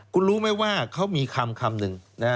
คุณรู้ไหมว่าเขามีคำคำหนึ่ง